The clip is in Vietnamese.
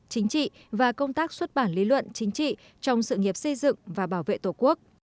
chính trị và công tác xuất bản lý luận chính trị trong sự nghiệp xây dựng và bảo vệ tổ quốc